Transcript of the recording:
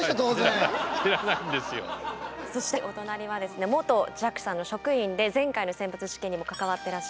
そしてお隣はですね元ＪＡＸＡの職員で前回の選抜試験にも関わってらっしゃった柳川孝二さんです。